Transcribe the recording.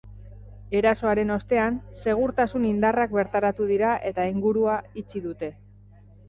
Erasoaren ostean, segurtasun indarrak bertaratu dira, eta ingurua itxi dute.